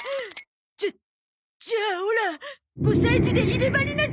じゃじゃあオラ５歳児で入れ歯になっちゃうの？